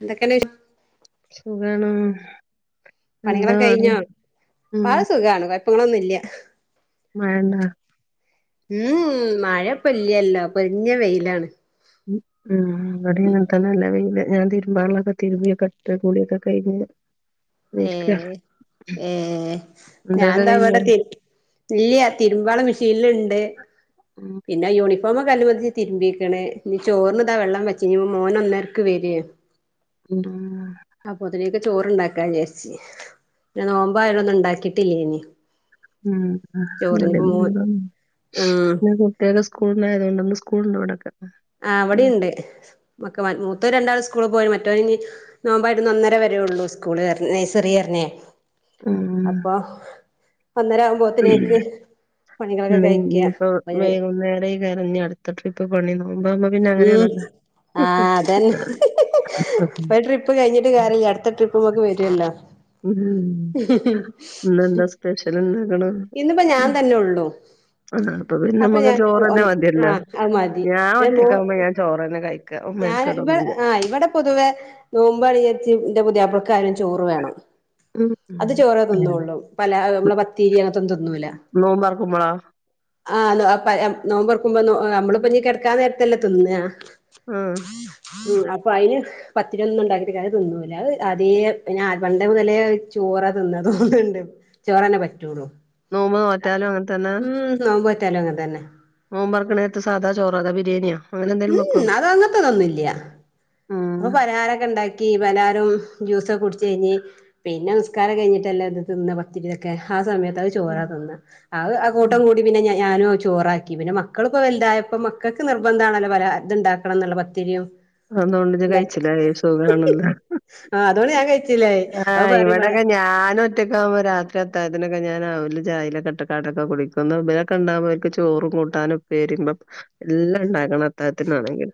എന്തൊക്കന സുഖാണ് എന്താ പണികളൊ പാട് കഴിഞ്ഞോ ഉം പല സുഖമാണ് കൊ പ്പങ്ങളൊന്നും ഇല്ല മഴ ണ്ട ഉം മഴ പൊല്ലല്ലോ പൊരിഞ്ഞ വെയിലാണ് ഉം അവിടെ ഇങ്ങനത്തെ നല്ല വെയില് ഞാൻ തിരുമ്പളൊക്കെ തിരുമ്പിയ കെട്ട് കുളി ഒക്കെ കയിഞ്ഞ് ഏ ഏ അന്റെതൊക്കെ ഞാനന്താ കഴിഞ്ഞോ അവിടെ തി ഇല്ലയ തിരുമ്പാള മെഷീനൽുണ്ട് ഉം പിന്നെ യൂണിഫോ ഇപ്പമ്മ കല്ഉ മതിച്ച തിരുമ്പിക്കണേ ഇീ ചോറിന് ഇതാ വെള്ളം വെച്ച് ഇ മോന ഒന്നേരക്ക് വര ആഹ് ചോറ്ണ്ടാക്കാ ചാരിച് നെ നോമ്പ് ആയോണ്ടൊന്നും ഉണ്ടാക്കിട്ടില്ലേ ഇനി [unintelligible] ചോറിനിപ്പോ മോൻ ഉം കുട്ടേക്ക് സ്കൂളിനയത കൊണ്ടന്ന് സ്കൂൾ ണ്ട് ഇവിടൊക്കെ ആ ഉം അവിടെണ്ട് മക്കെ മൂത്തം രണ്ടാൾ സ്കൂള് പോയീണ് മറ്റോ ഇ നോമ്പായിട്ട് ഒന്നര വരെ ഉള്ളൂ സ്കൂള് എ നൈസറി എറിഞ്ഞി എ ഉം അപ്പൊ ഒന്നരകുമ്പോത്തിനേക്ക് ഇഞ് ഇപ്പോ വൈകുന്നേരം ആയിരിക്കും അടുത്ത ട്രിപ്പ് പണി നോക്കുമ്പോ ഉം ആഹ അതന്നെ ഉം ഒരു ട്രിപ്പ് കഴിഞ്ഞിട്ട് കാര്യല്യാ അടുത്ത ടിപ്പുമൊക്കെ വരില്ലോ ഉ ഇന്നഎന്താ സ്പെഷ്യൽ ന്ന് ഇന്നിപ്പോ ഞാൻ തന്നെ ഉള്ളു ആഹ് പിന്നെ അപ്പൊ നമ്മക്ക് ഞാൻ ചോറന്നെ മതിയല്ലോ ആഹ അത് മതി ഞാൻ നോ ഒറ്റക്കാവുമ്പോ ഞാൻ ചോറന്നെ കഴിക്ക ഞാൻ ഇവിടെ മെനക്കെടൊന്നുല്ല ആ ഇവിടെ പൊതുവെ നോമ്പണിജാര്ച്ചി എന്റെ പുതിയാപ്പൾക്കായാലും ചോറ് വേണം ഉം അത് ചോറേ തിന്നുള്ളൂ പല നമ്മളെ പത്തീരി അങ്ങത്തൊന്നും തിന്നൂല നോമ്പാർ കുമ്പള ആഹ് [unintelligible] ന്നോബർക്കുമ്പം നമ്മൾപ്പം ഞ്ഞി കെടക്കാൻനേരത്തല്ലേ തിന്ന ആ ഉ അപ്പൊ അതിന് പത്തിരി ഒന്നുംഉണ്ടാക്കിട്ട്കാര്യം തിന്നൂല അഹ് ആ-പിന്ന വണ്ട മുതലേ ചോ ചോറ തിന്ന തോന്നണ്ട് ചോറന്നെ പറ്റുള്ളൂ നോമ്പ് നോറ്റാലും അങ്ങതന്നെ ഉം [unintelligible] തന്നെ ഒമ്പോർകണത് സാദ ചോറത ബിരിയാണ്യോ ഉം അത ഉം അങ്ങനത്തന്നൊന്നുംല്യാഅപ്പൊ പലഹാരൊക്കെ ഉണ്ടാക്കി പലരും ജ്യൂസൊക്കെ കുടച്ച് കഴിഞ്ഞ് പിന്നെ നിസ്കാരം കഴിഞ്ഞിട്ടല്ല ഇത് തിന്ന പത്തിരി ഇതൊക്കെ ആ സമയത്ത് [unintelligible] ചോറ തിന്ന അഹ് ആ കൂട്ടം കൂടി പിന്നെ ഞാനോ ചോറാക്കി പിന്നെ മക്കളിപ്പോ വലുതായപ്പോ മക്കൾക്ക് നിർബന്ധാണല്ലോ പല ഇത്ണ്ടാക്കണം എന്നുള്ള പത്തിരിയും അതുകൊണ്ട് ജ് ഇതൊക്കെ കഴിച്ചില്ല സുഖാണല്ല ആഹ് അതോണ്ട് ഞാൻ കഴിച്ചില്ലായി ആ് അത് പറയും ഇവിടെ ഇവിടൊക്കെ ഞാൻ ഒറ്റക്കുമ്പോ രാത്രിയത്തഴാതിനൊക്കെ ഞാൻ രാവിലെ ചായലെ കെട്ടക്കാട്ടൊക്കെ കുടിക്കുന്നു ഇബാറുകന്താ ഇവരുക് ചോറും കൂട്ടാനും ഉപ്പേരിം പ ല്ല ഇണ്ടാകാണം അത്താത്തിനണെങ്കിൽ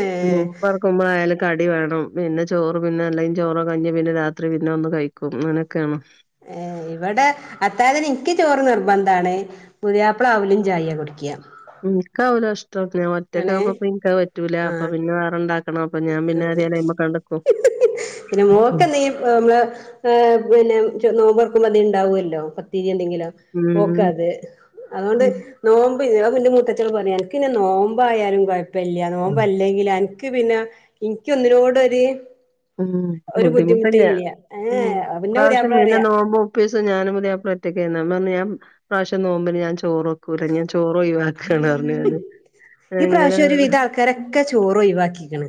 ഏഹ് നൂമ്പ് തുറക്കുമ്പോ അ കടി വേണം പിന്നെ ചോറ് പിന്നെ അല്ലെങ്കിൽ ചോറോ കഴഞ് പിന്നെ രാത്രി പിന്നെ ഒന്ന് കഴിക്കും അങ്ങനൊക്കെയാണ് ഏ ഇവിടെ അത്തായത്ന് ഇക്ക് ചോറ് നിർബന്ധണ് പുതിയാപ്പ്ള അവലും ചായ കുടിക്ക എനിക്കാവലോ ഇഷ്ട ഞാൻ ഒറ്റക്ക ആകുമ്പ എനിക്കാ പറ്റൂല അപ്പൊ പിന്നെ ആഹ് വേറെണ്ടാക്കണം പ്പ ഞാൻ പിന്നെ [unintelligible] പിന്നെ ഉം. മോക്കെന്തെങ്കി മള് പിന്നെ നോമ്പർക്ക്പ എ ഇണ്ടാവുല്ലോ പത്തിരി എന്തെങ്കില ഉം. ഓക്കത് അതൊണ്ട് ഉം. നോ- പിന്റെ മുത്തച്ചട് പറയും എനിക്ക്ിന്നെ നോമ്പ ആയാലും കുഴപ്പമില്ല നോമ്പ അല്ലെങ്കിൽ എനക്ക് പിന്നെ എനിക്ക് ഒന്നിനോട് ഒര് ഉം ബുദ്ധിമുട്ടില്ല ഇ ഏഹ് പിന്നെ പ്രാശ്യം പുതിയാപ്ല മീനെ പറയാ നോവുമ്പോ ഉപ്പ ഞാനും പുതിയപ്ലേ ഒറ്റക്കാരുന്ന് പ്പ പറഞ് ഈ പ്രാശ്യം നോമ്പിന് ഞൻ ചോറോക്കൂല്ല ഞാൻ ചോറോ കണ് പറഞ് ന്ന് ഈ എങ്ങനെ പ്രാവശ്യം ഒരു വിധം ആൾക്കാരൊക്കെ ചോറ് ഒഴിവാക്കിക്ക്ണ്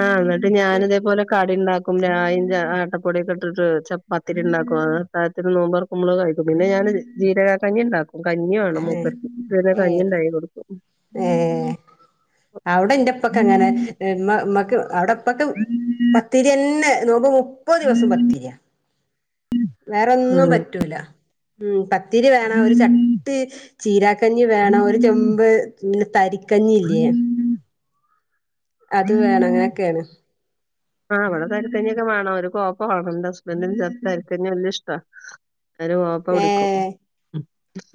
ആ എന്നിട്ട് ഞാനിതേപോലെ കടിണ്ടാക്ക [unintelligible] ഞ്ച ആട്ടപ്പടിയൊക്കെ ഇട്ടിട്ടു ചപ്പത്തിക്ക ഇണ്ടാക്കും അത്തയ് തിന് നോമ്പോർക്കുമ്മള് കഴിക്കും പിന്നെ ഞാ ജീരകക്കഞ്ഞി ഉണ്ടാക്കും കഞ്ഞി വേണം ഏഹ് മൂപ്പര്ക്ക് പിന്നെ കഞ്ഞി ഏഹ് ഉണ്ടാക്കി കൊടുക്കും ഏഹ് അവിടെ എന്റെ പ്പൊക്കെ അങ്ങനെ മ്മ്ക് അവിടെപ്പക്കെ പത്തിരി തന്നെ നോക്ക മുപ്പ ദിവസം പത്തിരിയ വേറൊന്നും ഉം പറ്റൂല ത്തിരി വേണം ഒരു ചട്ടി ചീര കഞ്ഞി വേണം ഒരു ചെമ്പ് തരി കഞ്ഞില്ല്യെ അത് വേണം ങ്ങനെക്കെയാണ് ആ് അവിടെ തരിക്കഞ്ഞൊക്കെ വേണം ഒരു കോഴപ്പ വേണം എന്റെ ഹസ്ബൻഡ ചേർ തരിക്കഞ്ഞി വല്ല ഇഷ്ടാ ഒരു കോപ്പ ഏ കുടിക്കും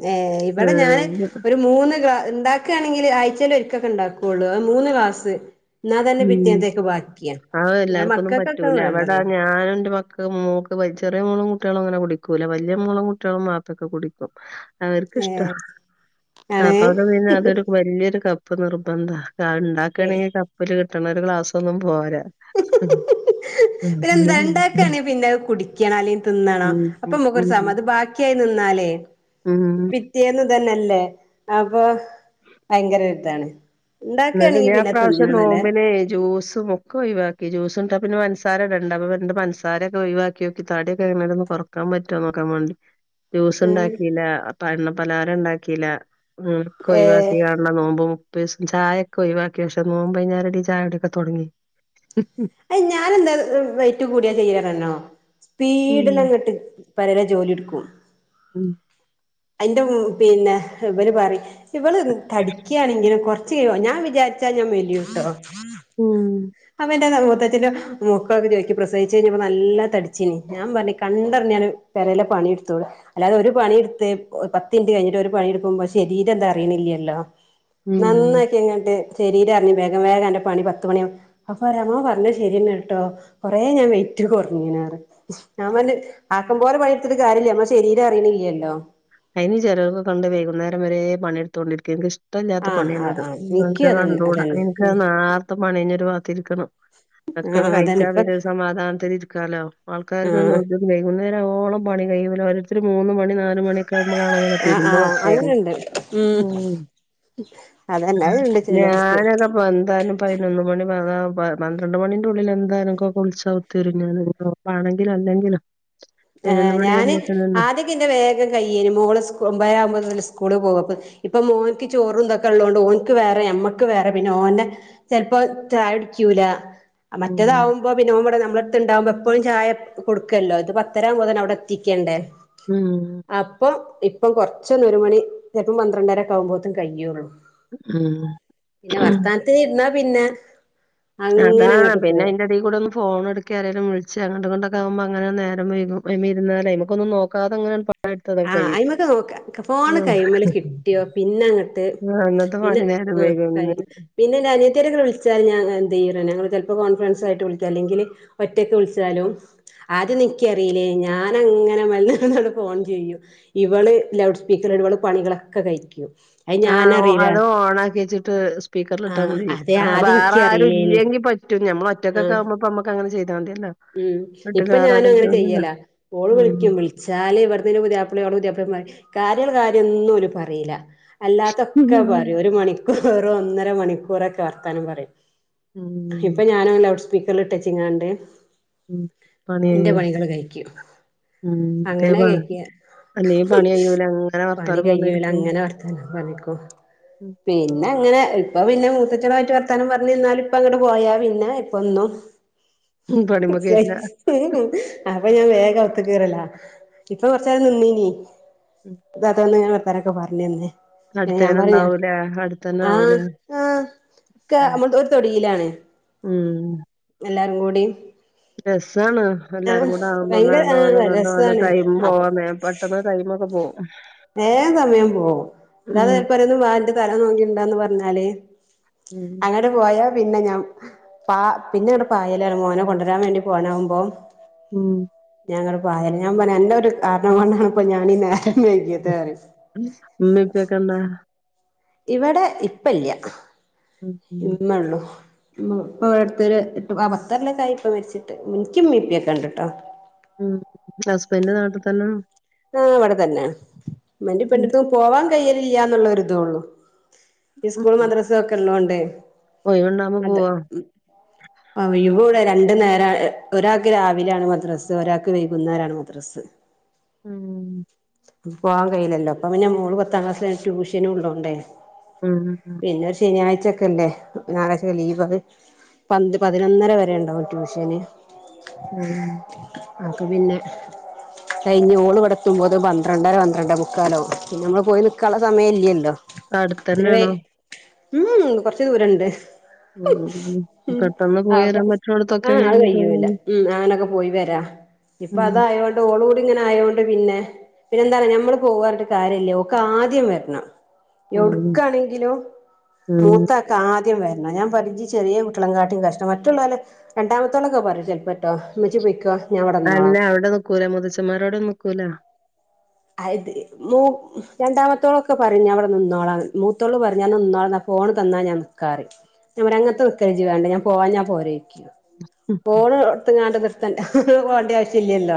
ഏ ഇവിടെ ഞാന് ആഹ് ഒരു മൂന്ന് ഗ്ലാ ഉണ്ടാക്കുകയാണെങ്കിൽ ആയ്ച്ചൽ ഒരിക്കൊക്കെ ഉണ്ടാക്കുള്ളൂ മൂന്ന്ക്ാസ് ഉ അവ ഇങ്ങടെ എല്ലാർക്കുന്നും മക്കൾക്കൊക്കെ പറ്റൂല അവിട വേണ്ടല്ലോ ഞാന എൻന്റെ മ ക്ക് ചെറിയ മോളം കുട്ടികളും അങ്ങനെ കുടിക്കൂല വലിയ മോളം കുട്ടികളും മാപ്പൊക്കെ കുടിക്കും അവർക്ക്ിഷ്ട ഏഹ് ആണ് അപ്പൊ അത്ന്നാ അതൊരു വലിയൊരു കപ്പ് നിർബന്ധാ ഏ ഉണ്ടാക്കയാണെങ്കിൽ കപ്പില് കിട്ടണ ഒരു ക്ലാസ്സ ഒന്നും പോരാ ഉം പിന്നെ രണ്ടാക്കാണെങ്കിൽ പിന്നെ അത് കുടിക്കണംോ അല്ലെങ്കിൽ തിന്നണംോ അപ്പൊക്കൊരു സം ഉം അത് ബാക്കിയായി ന്നലെ ഉം പിറ്റെന്ന് അ തന്നല്ലേ അപ്പൊ ഭയങ്കര ഉണ്ടാക്കുകയാണെങ്കി എന്നല്ല പിന്നെ പ്ര്രാശ്യം തിന്നണല്ലേ നോമ്പിനേ ജ്യൂസും ഒക്കെ ഒയി ജ്യൂസ് ഉണ്ടാ പിന്ന പഞ്ചസാര ഇടണ്ട അപ്പ പിന്നെ പഞ്ചസാര ഒക്കെ ഒഴവാക്കിോക്കി തടി ഒക്കെ എങ്ങന ഒന്ന് കൊറക്കാൻറ്റോ [unintelligible] ജ്യൂസ് ഉണ്ടാക്കില്ല പ എണ്ണപ്പലാരം ഉണ്ടാക്കില്ല ഉം ഏ കൊയ് വാക്കി കാണ നോമ്പും മുപ്പി ചായയൊക്കെ ഒയിവാക്കി പക്ഷെ നോമ്പൈഞ്ഞേരടി ചായടി തുടങ്ങി അത് ഞാന എന്താ റൈറ്റ് കൂടിയാ ചെയ്യറ്ണര്ണോ ഉം സ്പീഡിലങ്ങട്ട് പലരെ ജോലിട്ക്കും ഉം അതിന്റെ പിന്നെ ഇവല് പറയും ഇവള് തടിക്കുകയാണെങ്കിലും കൊറച്ച് കഴി ഞാൻ വിചാരി ച്ച ഞ മിലിയുട്ടോ ഉം ത്തിന്റെ മുക്കൊക്കെ ചോദി പ്രസവിച്ചു കഴിഞ്ഞപ്പോ നല്ല തടിച്ചിനി ഞാൻ പറഞ്ഞ് കണ്ടർഞാണ്ട് പെരെലെ പ പണിയെടുത്തോ അല്ലാതെ ഒരു പണിയെടുത്ത് പത്തി ൻറ്റ് കഴിഞ്ഞിട്ട് ഒരു പണിയെടുക്കുമ്പോ ശരീരം ത അറിയണില്ലല്ലോ ഉം നന്നാക്കി അങ്ങട്ട് ശരീരം വേഗം വേഗം അന്റെ പണി പത്ത് മണിയ അപ്പ രമ പറഞ്ഞത് ശരിയന്ന് കേട്ടോ കൊറേ ഞാൻ വയി [unintelligible] ഞാൻ ആക്കം പോലെ പണിയെടുത്തിട്ട് കാര്യല്ല നമ്മളെ ശരീരം അറിയണില്ലല്ലോ അതിനി ചിലരൊക്കെ ഇണ്ട് വൈകുന്നേരം വരെ പണിയെടുത്തുകണ്ടിരിക്ക എനിക്ക് ഇഷ് ഇഷ്ട ഇല്ലാത്ത ആഹ് ആഹ് പണിയാണത് ആഹ് എനിക്കും നിക്ക് അതന്നെ കണ്ടുകൂടാം അതന്നെ നിങ്ങക്ക് ഉം നേരത്തെ പണി കഴിഞ്ഞൊരു ഒരു വാത്തിരിക്കണം വെക്കണം ആഹ് അതന്നെ കഴിച്ചാ ഇപ്പൊ പിന്നെ സമാധാനത്തി ഇരിക്കാലോ ആൾക്കാർക്കണ്ട ആഹ് കഴ [inaudible] അരെരോളം പണി കയിയൂല ഓരോരുത്തർ മൂന്ന് മണി നാൽ മണി കാണനെ ആഹ് തിരുമ്പോ ആഹ് വെച്ചരുന്നു അങ്ങനെണ്ട് ഉം ഉ അതന്നെ അത്ണ്ട് ചെലോൽക്ക് ഞാനൊക്കെ എന്താലും പതിനൊന്ന് മണി ആ പന്ത്രണ്ട് മണിന്റെ ഉള്ളിൽ എന്തായിനക്കു കുളിച്ച് അകത്തു പ്പാണെങ്കിലും അല്ലെങ്കിലോ ഏ ഞാന് ആദ്യക്കിന്റെ വേഗം കയ്യേന് മോൾ ഒമ്പദര ആവുമ്പോയേക്കും സ്കൂൾ പോകും ഇപ്പൊ മോൻക്ക് ചോറും ഇന്തൊക്കെ ഉള്ളോണ്ട് ഓൻക്ക് വേറെ മ്മക്ക് വേറെ പിന്നെ ഓന്റെ ചെലപ്പോ ചായ കുടിക്കൂല ഉം മറ്റേതാവുമ്പോ പിന്നെ നമ്മടെ നമ്മള അടുണ്ടാവുമ്പോ എപ്പോഴും ചായ കൊടുക്കല്ലോ ഇത് പത്ത് എട്ടര ആവുമ്പോൾ അവിടെ എത്തിക്കണ്ടേ ഉം അപ്പൊ ഇപ്പം കൊറച്ചൊന്ന് ഒരു മണി ചിലപ്പം പന്ത്രണ്ടര ആവുമ്പോയേക്കും ഒക്കെ കഴിയുള്ളൂ ഉം പിന്നെ വർത്താനത്തി ഇരുന്നാ പിന്നെ അങ്ങനെ അതാണ് അങ്ങട്ട് പിന്നെ പോവും അതിന്റെ ഇടയി കൂടെ ഒന്ന് ഫോൺ എടുക്ക ആരേലും വിളിച്ചു അങ്ങട്ടും ഇതാകുമ്പോ അങ്ങനെ നേരം വഴുകും അതിന്മ്മേ ഇരുന്നാല് നമുക്കൊന്നും നോക്കാതെ അങ്ങനെ പണിട്ത്തതൊക്കെ ആ കഴിയും അയിമക്കെ നോക്ക ഫോണ് ആഹ് കയിമ്മൽ കിട്ടിയോ പിന്നെ അങ്ങോട്ട് അന്നത്തെ പിന്നെ പണി നേരം ആഹ് വൈകും കല്ല പിന്നെ അനിയത്തിരൊക്കെ വിളിച്ചാൽ ഞാൻ എന്ത് ചെയ്യും ചിലപ്പോ കോൺഫിഡൻസ് ആയിട്ട് വിളിച്ച് അല്ലെങ്കിൽ ഒറ്റക്ക് വിളിച്ചാലും ആദ്യ ഒന്നും എ നിക്കറിയില്ലേ ഞാ ഞാൻ അങ്ങനെ [inaudible] ചെയ്യും ഇവള് ലൗഡ് സ്പീക്കർ ഇവള് പണികളൊക്കെ കഴിക്കും അത് ആ ഞാനറിയില്ല അതോ ഓൺ ആക്കി വെച്ചിട്ട് സ്പീക്കറിൽ ഇട്ടാൻ ആഹ് മതി അതെ ആദ്യം വേറെ ആരും എനിക്കറിയില്ലേനി ഇല്ലെങ്കി പറ്റും നമ്മൾ ആഹ് ഒറ്റക്കെക്കാകുമ്പോ പ്പ മ്മക്കങ്ങനെ ചെയ്യ ഉം ഇപ്പൊ ഞാനു അങ്ങനെ ഇല്ലല്ലോ ചെയ്യലാ ഓള് ഉം വിളിക്കും വിളിച്ചാല് ഇവട്ന്ന് ൻ്റെ പുതിയാപ്പള [unintelligible] കാര്യ കാര്യം ഒന്നും ഓൽ പറീല അല്ലാത്തൊക്കെ പറിം ഒരു മണിക്കൂർ വെറും ഒന്നര മണിക്കൂറൊക്കെ വർത്താനം പറിം ഉം ഇപ്പൊ ഞാനും ലൗഡ്സ്പീ പിക്കള്ട്ടച്ചിങ്ങാണ്ട് ഉം പണി ഇന്റെ കഴിയും പണികള് കഴിക്കും ഉം തേബ് അങ്ങനെ കാണും കഴിക്ക അല്ലെങ്കി പണി കയ്യൂല അങ്ങനെ പണി വർത്താനം കഴിയൂല പറഞ്ഞിരിക്കും അങ്ങനെ വർത്താനം പറഞ്ഞിക്കും പിന്നെ അങ്ങനെ ഇപ്പൊ പിന്നെ മൂത്തെച്ച്യാളായിട്ട് വർത്താനം പറഞ്ഞ് ഇര്ന്നാൽ ഇപ്പങ്ങട്ട് പോയാ പിന്നെ ഇപ്പൊന്നും ഉം പണിമ്മ കേറില്ല [unintelligible] അപ്പൊ ഞാൻ വേഗം അൗത്ത്ക്കേറലാ ഇപ്പൊ കൊറച്ചേരം നിന്നീനീ ഇ താത്ത വന്ന് ഇവരൊക്കെ പർണെന്നെ പിന്നെ ഞാൻ അടുത്തേനെ പറിം ഉണ്ടാവൂലേ? അടുത്തന്നെ ആ ആവൂലേ? ആ ക്ക ഉം. അമ്മൾ തൊ ഒര് തൊടിയിലാണ് എല്ലാരും കൂടി എസ് അതാണ് ആഹ് എല്ലാരും കൂടെ ആവുമ്പോ ഒന്ന് ഭയങ്കര ആണ്ട് പോവലും ആഹ് ഇങ്ങണ്ട് പോവലും രസാണ് ടൈം അപ്പൊ പോവാൻ മേ പെട്ടെന്ന് ടൈമ ഒക്കെ പോകും.. വേം സമയം പോവും ഉം. [unintelligible] ഇന്റെ തല നോക്ക്യണ്ടാന്ന് പറഞ്ഞാല് ഉം. അങ്ങന പോയാ പിന്നെ, ഞാൻ പ പിന്നെ അങ്ങ് പായലാണ് മോനെ കൊണ്ടരാൻ വേണ്ടി പോവാനാവുബോ. ഉം. ഞങ്ങള് പായലാ ഞാൻ പറിം അന്റെ ഒരു കാരണം കൊണ്ടാണ് ഇപ്പോ ഞാനീ നേരം വൈകിയത് പറയും ഇമ്മി ഇപ്പിം ഒക്കെ ണ്ടാ ഇവിടെ ഇപ്പല്യാ, ഉം. ഇമ്മള്ളു. ഇപ്പവടെ അടുത്തൊര് എട്ട് പത്ത് കൊല്ലം ക്കെ ആയി ഇപ്പ മരിച്ചിട്ട് ഇൻക്ക് ഇമ്മീം ഇപ്പീം ഒക്കെ ണ്ട് ട്ടൊ ഉം, ഹസ്ബന്റ് നാട്ട്തന്നെ. ആ ഇവിടെ തന്നെ ഇമ്മന്റിം ഉം. ഇപ്പന്റിംട്ത്ത്ക്ക് പോവാൻ കയലില്ലാന്ന്ള്ള ഒര് തെള്ളൂ.. ഇസ്കൂളും ഉം. മദ്രസെക്കെ ഉള്ളോണ്ടേ. ഒഴിവുണ്ടാവുമ്പോ അതെ പോവോ? ആ ഒഴിവുല്ല രണ്ടു നേരം ഒരാൾക്ക് രാവിലെയാണ് മദ്രസ് ഒരാൾക്ക് വൈകുന്നേരണ് മദ്രസ്. ഉം. പോവാൻ കയിലല്ലോ അപ്പൊ പിന്നെ മോള് പത്താം ക്ലാസ്സി ട്യൂഷനും ഉള്ളോണ്ടേ. ഉം. പിന്നെ ഒരു ശനിയാഴ്ച ച്ചക്കല്ലേ ഞായറാച്ച ലീവ് പന്തി പതിനൊന്നര വരെ ഉണ്ടാവും ട്യൂഷന്. ഉം. അതൊക്കെ പിന്നെ കൈഞ്ഞ് ഓള് ഇവിടെ എത്തുമ്പോ പന്ത്രണ്ടര പന്ത്രണ്ടെ മുക്കാലാകും പിന്നെ നമ്മൾ പോയി നിൽക്കാനുള്ള സമയല്ലല്ലോ. അടുത്തന്നെയാണോ? ഉം കൊറച്ച് ദൂരണ്ട്. ഉം. ഉം പെട്ടെന്ന് അ പോയി വരാൻ അത് പറ്റുന്നോടത്തൊക്കെയാണെങ്കില് പോയി കയ്യൂല്ല വരാം. ഉം അങ്ങനൊക്കെ പോയി വരാ. ഇപ്പൊ ഉം. അതായതോണ്ട് ഓള് ഇങ്ങനെ ആയോണ്ട് പിന്നെ പിന്നെ എന്താ പറ ഞമ്മള് പോകാന്ന് പറഞ്ഞിട്ട് കാര്യല്ല ഓൾക്ക് ആദ്യം വരണം. ഉം. എഡ്ക്കാണെങ്കിലും ഉം. മൂത്താക്ക് ആ ദ്യം വരണം ഞാൻ പറഞ്ഞ് ഇജ്ജ് ചെറിയ കുട്ടളങ്ങാട്ടിയും കഷ്ട മറ്റുള്ളവരെ രണ്ടാമത്തോളൊക്കെ പറയും ചിലപ്പോ ട്ടോ ഉമ്മച്ചി പൊയ്ക്കോ ഞാൻ ഇവിടെ അല്ല നിന്നോളാം അവിടെ നിക്കൂല മുതച്ചമാരോട നക്കൂല. അതെ മൂ രണ്ടാമത്തോളൊക്കെ പറയും ഞാൻ ഇവിടെ നിന്നോള മൂത്തോളും പറിം ഞ വടെ നിന്നോള ഫോണ് തന്ന ഞാൻ നിക്ക റിം ഞാ പറിം ആങ്ങൻതെ നിക്കല് ജ്ജ് വാങ്ങ ഞാൻ പോണില്ല പോണ് ഇട്ത്ത്കാണ്ട് ഹ് ഹ്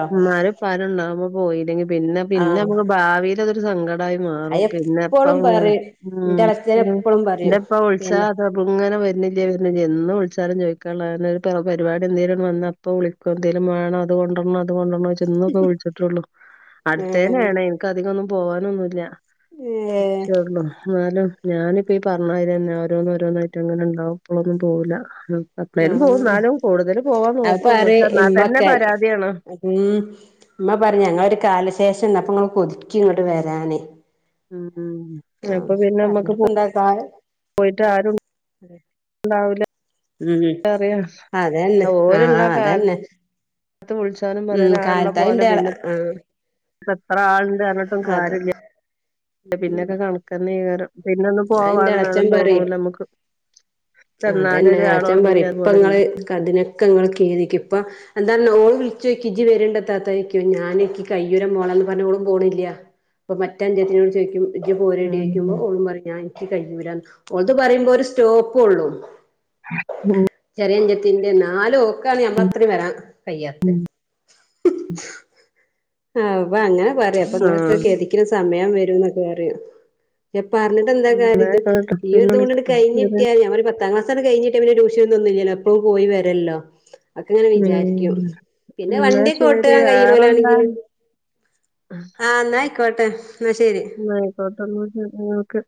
[unintelligible] പോയില്ലെങ്കി പിന്നെ പിന്നെ ആഹ് നമ്മക്ക് ഭാവിൽ അതൊരു സങ്ക ണ്ടായി അത് മാറും എപ്പളും പിന്നെപ്പം പറയും ഉം. ഇന്റെ എളച്ചന് എപ്പളും എന്റെ പറയും ഇപ്പ വിളിച്ചാ പിന്നെ അത് ഇങ്ങനെ വരുന്നില്ലേ വര് എന്ന് വിളിച്ചാലും ചോദിക്കുള്ള പരിപാടി എന്തെലും വന്ന പ്പൊ വിളിക്കു എന്തേലും വേണോ അത് കൊണ്ടോ കൊണ്ടോര്‌ണോച്ച് പ്പ വിളിച് ട്ടൊള്ളു ഏഹ് അടുത്തേനണേ എനക്ക് അധികൊന്നും പോകാനൊന്നുല്ല. ഏഹ് കുറച്ചുള്ളൂ എന്നാലും ഞാനിപ്പോ ഈ പറഞ്ഞ മാതിരി ഓരോന്നു ഓരോന്നു ആയിട്ട് അങ്ങനെ ഉണ്ടാവും. അപ്പോളൊന്നും പോവൂല എപ്പളേലും പോകും ആഹ് എന്നാലും കൂടുതൽ പോവാൻ അപ്പൊ നോക്കും പക്ഷെ പറയും എന്നാ തന്നെ ഇമ്മക്കെ പരാതിയാണ്. ഉം ഉമ്മ പറഞ്ഞു ഞങ്ങളൊരു കാലശേഷം എന്നപ്പ ഇങ്ങള് കൊതിക്കും ഇങ്ങോട്ട് വരാന്. ഉം ആഹ് എളുപ്പം പിന്നെ നമ്മക്ക് പോ പറഞ്ഞിട്ടിപ്പ എന്താ കാലം പോയിട്ട് ആരുണ്ടാവില്ല. ഉം അറിയ അതന്നെ ഓലുള്ള ആഹ് കാൽ അതന്നെ ത്തും വിളിച്ചാനും ഉം പറയാന് ആളുള്ള കാലത്ത് പോലെ അയിന്റെ പിന്നെ ആഹ് അപ്പ എത്ര ആളുണ്ട് എന്ന് പറഞ്ഞിട്ടും കാര്യമില്ല അതന്നെ പിന്നൊക്കെ കണക്കന്നീകാരം. പിന്നെ ഒന്നും അയിന്റെ പോവാനൊന്നും എളച്ചൻ പറയും തോന്നൂല നമ്മുക്ക്. അതന്നെ എളച്ചൻ പറയും ഇപ്പ പോലെ ഇങ്ങള് അതിനൊക്കെ ഇങ്ങള് ഖേദിക്കും ഇപ്പൊ എന്താണ് ഓൾ വിളിച്ചോയ്ക്കും ഇജ്ജ് വരേണ്ടത്താത്ത ചോയ്ക്കും ഞാനേക്ക് കയ്യൂല മോളേ ന്ന് പറഞ്ഞ ഓളും പോണില്ല. അപ്പൊ മറ്റ അനുജത്തികളും ചോദിക്കും ഇജ്ജ് പോരോടി ഉം ചോയ്ക്കുമ്പോ ഓള് പറ ഞാൻ എനിക്ക് കയ്യൂല ഓക്ക് പറയുമ്പോ ഒരു സ്റ്റോപ്പ് ഉള്ളു. ഉം. [unintelligible] ന്നാലും ഓക്കാണ് ഞമ്മളത്രയും വരാം കയ്യാത്തെ ആഹ് അപ്പൊ അങ്ങനെ പറയും അപ്പൊ ഇങ്ങളൊക്കെ ആഹ് ഗേദിക്ക്ണ സമയം വരുന്ന് അപ്പ പറയും എപ് പറഞ്ഞിട്ട് എന്താ കാര്യം ഇത് എന്നായിക്കോട്ടെ ഈ പിന്നെ ഇതുകൊണ്ടിണ്ട് വിളിക്കാം കഴിഞ്ഞി ഉം ഒരു പത്താം ക്ലാസാണ്ട് കഴിഞ്ഞിട്ടിയാ പിന്നെ ട്യൂഷനു ഇതൊന്നുല്ല്യല്ലോ എപ്പളും പോയി വരല്ലോ. ഒക്കെ ഇങ്ങനെ ഉം വിചാരിക്കും പിന്നെ എന്നാ വണ്ടിയൊക്കെ ശരി ഓട്ടാൻ വേറെന്താ കഴിയിണോലാണെങ്കില് ആ ന്നാ ആയിക്കോട്ടെ. എന്നാ ശരി ന്നാ ആയിക്കോട്ടെ ന്നാ ശരി ന്നാ ഓക്കെ